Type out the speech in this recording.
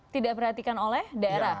tidak diperhatikan oleh daerah